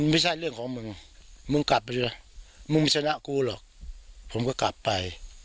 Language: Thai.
ไม่ใช่เรื่องของมึงมึงกลับไปสิมึงชนะกูหรอกผมก็กลับไป